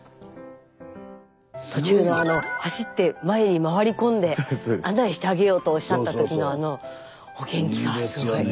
途中であの走って前に回り込んで案内してあげようとおっしゃった時のあのお元気さはすごい。